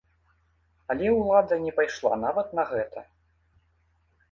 Але ўлада не пайшла нават на гэта.